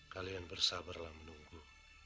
kalian bersabarlah menunggu